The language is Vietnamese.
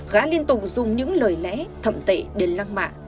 gá liên tục dùng những lời lẽ thậm tệ để lăng mạ